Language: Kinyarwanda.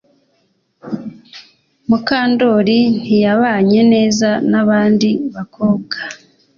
Mukandoli ntiyabanye neza nabandi bakobwa